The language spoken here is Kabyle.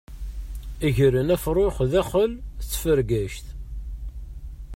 Gren afrux daxel tfergact.